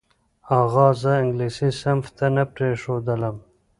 اغا زه انګلیسي صنف ته نه پرېښودلم.